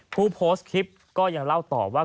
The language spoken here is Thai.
ผู้โพสต์คลิปก็ยังเล่าต่อว่า